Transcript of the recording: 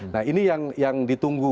nah ini yang ditunggu